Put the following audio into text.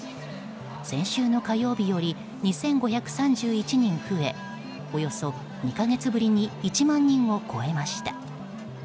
先週の火曜日より２５３１人増えおよそ２か月ぶりに１万人を超えました。